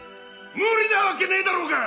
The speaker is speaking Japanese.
無理なわけねえだろうが！